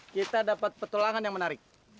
kita dapat petulangan yang menarik